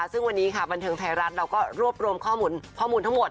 ซึ่งวันนี้ค่ะบันเทิงไทยรัฐเราก็รวบรวมข้อมูลทั้งหมด